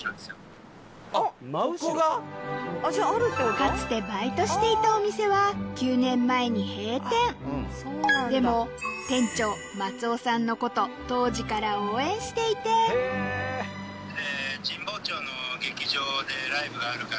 かつてバイトしていたお店はでも店長松尾さんのこと当時から応援していて僕家族で。